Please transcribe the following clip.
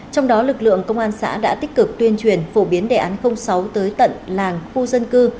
trong đó lực lượng công an xã đã tích cực tuyên truyền phổ biến đề án sáu tới tận làng khu dân cư